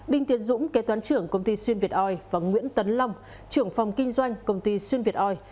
đinh tiến dũng kế toán trưởng công ty xuyên việt oi và nguyễn tấn long trưởng phòng kinh doanh công ty xuyên việt oi